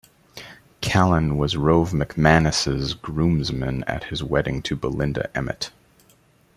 Callan was Rove McManus' groomsman at his wedding to Belinda Emmett.